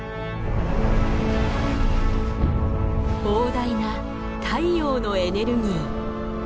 膨大な太陽のエネルギー。